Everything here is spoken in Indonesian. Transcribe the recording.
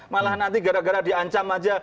malah nanti gara gara diancam aja